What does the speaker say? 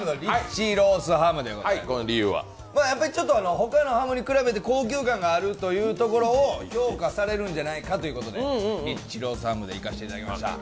他のハムに比べて高級感があるところを評価されるんじゃないかということでニッチロースハムでいかせていただきました。